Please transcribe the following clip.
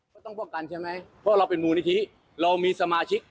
ต้องป้องกันใช่ไหมเพราะเราเป็นมูลนิธิเรามีสมาชิก